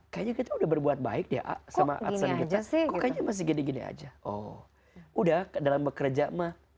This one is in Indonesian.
kayaknya kita udah berbuat baik ya sama arsen kejati kok kayaknya masih gini gini aja oh udah dalam bekerja mah